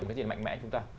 một cái gì mạnh mẽ chúng ta